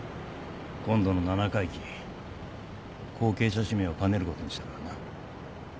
今度の七回忌後継者指名を兼ねることにしたからな。